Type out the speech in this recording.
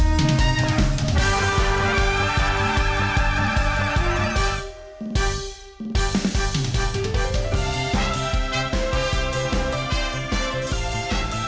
โปรดติดตามตอนต่อไป